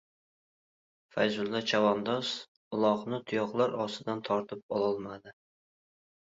Fayzulla chavandoz uloqni tuyoqlar ostidan tortib ololmadi.